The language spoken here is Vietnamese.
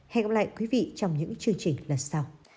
hẹn gặp lại quý vị trong những chương trình lần sau